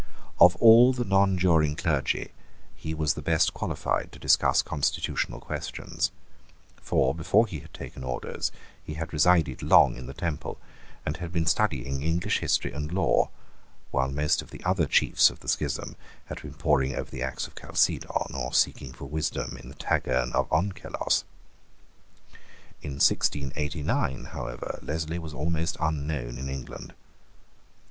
Of all the nonjuring clergy he was the best qualified to discuss constitutional questions. For, before he had taken orders, he had resided long in the Temple, and had been studying English history and law, while most of the other chiefs of the schism had been poring over the Acts of Chalcedon, or seeking for wisdom in the Targurn of Onkelos, In 1689, however, Leslie was almost unknown in England.